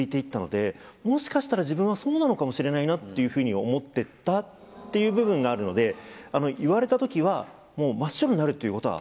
もしかしたら自分はそうなのかもしれないなっていうふうに思ってたっていう部分があるので言われた時はもう。